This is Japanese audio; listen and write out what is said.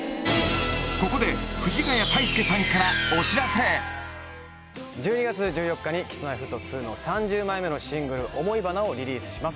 ここで、藤ヶ谷太輔さんから１２月１４日に、Ｋｉｓ−Ｍｙ−Ｆｔ２の３０枚目のシングル、想花をリリースします。